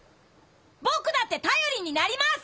僕だって頼りになります！